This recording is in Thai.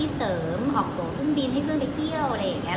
เพิ่งออกโต๊ะเพิ่งบินให้เพิ่งไปเที่ยวอะไรอย่างเงี้ย